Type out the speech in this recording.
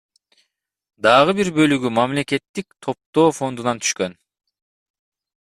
Дагы бир бөлүгү мамлекеттик топтоо фондунан түшкөн.